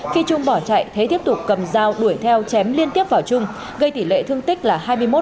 khi trung bỏ chạy thế tiếp tục cầm dao đuổi theo chém liên tiếp vào trung gây tỷ lệ thương tích là hai mươi một